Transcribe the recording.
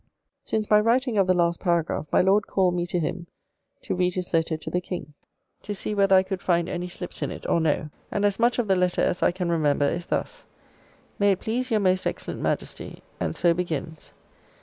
Since my writing of the last paragraph, my Lord called me to him to read his letter to the King, to see whether I could find any slips in it or no. And as much of the letter' as I can remember, is thus: "May it please your Most Excellent Majesty," and so begins.